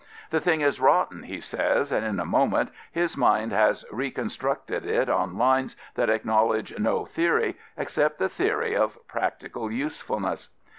" The thing is rotten, he says, and in a moment his mind has reconstructed it on lines that acknowledge no theory, except the theory of practical usefulness.